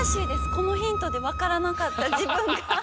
このヒントでわからなかったじぶんが。